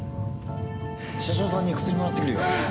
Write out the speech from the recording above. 車掌さんに薬もらってくるよ。